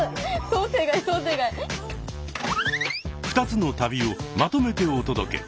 ２つの旅をまとめてお届け。